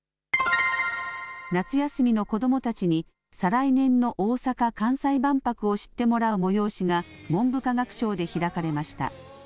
夏休みの子どもたちに再来年の大阪・関西万博を知ってもらう催しが文部科学省で開かれました。